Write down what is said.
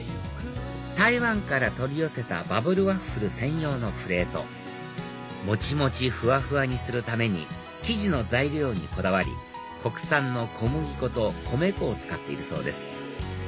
台湾から取り寄せたバブルワッフル専用のプレートもちもちふわふわにするために生地の材料にこだわり国産の小麦粉と米粉を使っているそうです